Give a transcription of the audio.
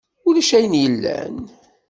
Ulac ayen yellan.